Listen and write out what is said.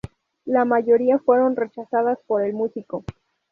La mayoría fueron rechazadas por el músico.